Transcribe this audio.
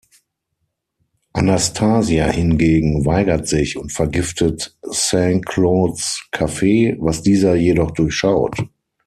Anastasia hingegen weigert sich und vergiftet Saint-Claudes' Kaffee, was dieser jedoch durchschaut.